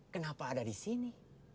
kenapa ada di sini